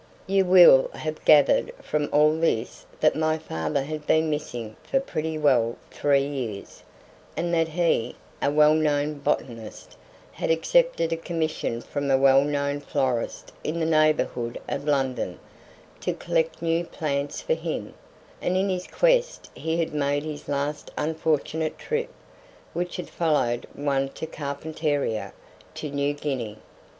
You will have gathered from all this that my father had been missing for pretty well three years, and that he, a well known botanist, had accepted a commission from a well known florist in the neighbourhood of London to collect new plants for him, and in his quest he had made his last unfortunate trip which had followed one to Carpentaria to New Guinea.